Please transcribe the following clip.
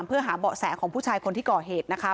เพื่อหาเบาะแสของผู้ชายคนที่ก่อเหตุนะคะ